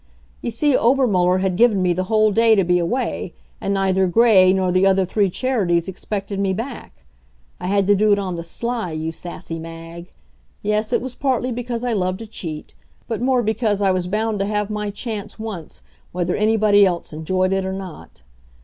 You see, Obermuller had given me the whole day to be away, and neither Gray nor the other three Charities expected me back. I had to do it on the sly, you sassy Mag! Yes, it was partly because I love to cheat, but more because I was bound to have my chance once whether anybody else enjoyed it or not.